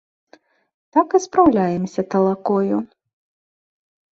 Так і спраўляемся талакою.